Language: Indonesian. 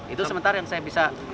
itu sementara yang saya bisa